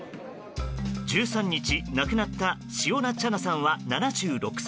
１３日亡くなったシオナ・シャナさんは７６歳。